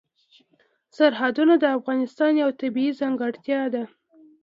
سرحدونه د افغانستان یوه طبیعي ځانګړتیا ده.